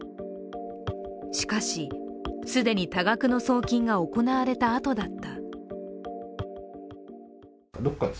しかし、既に多額の送金が行われたあとだった。